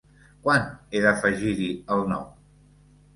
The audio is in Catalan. Quan he d'afegir-hi el nom?